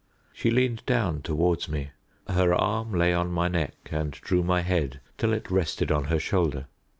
She leaned down towards me, her arm lay on my neck, and drew my head till it rested on her shoulder.